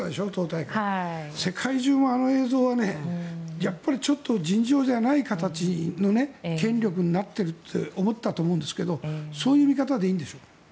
世界中、あの映像はちょっと尋常じゃない形の権力になっていると思ったと思うんですがそういう見方でいいんでしょうか？